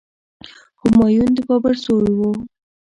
همایون د بابر زوی و.